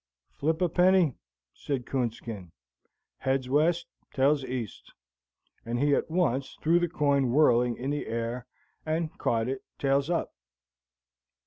"Flip a penny," said Coonskin, "Heads, west; tails, east!" and he at once threw the coin whirling in the air, and caught it, tails up.